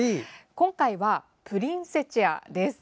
今回はプリンセチアです。